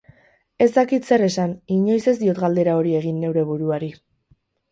Ez dakit zer esan, inoiz ez diot galdera hori egin neure buruari.